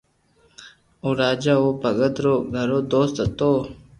او راجا او ڀگت رو گھرو دوست ھتو